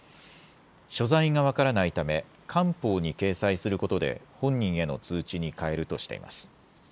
所在が分からないため、官報に掲載することで、本人への通知に代えるとしています。